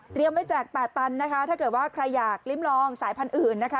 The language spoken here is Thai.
เตรียมไว้แจก๘ตันนะคะถ้าเกิดว่าใครอยากริมลองสายพันธุ์อื่นนะคะ